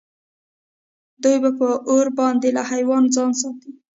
دوی به په اور باندې له حیواناتو ځان ساته.